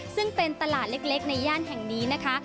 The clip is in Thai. ซึ่งเป็นตลาดเล็กในย่านแห่งนี้นะคะ